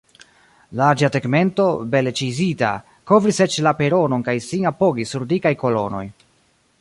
Larĝa tegmento, bele ĉizita, kovris eĉ la peronon kaj sin apogis sur dikaj kolonoj.